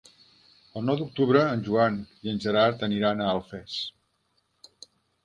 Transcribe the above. El nou d'octubre en Joan i en Gerard aniran a Alfés.